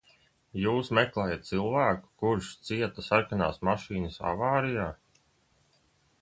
Jūs meklējat cilvēku, kurš cieta sarkanās mašīnas avārijā?